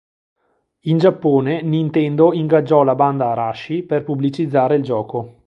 In Giappone Nintendo ingaggiò la banda "Arashi" per pubblicizzare il gioco.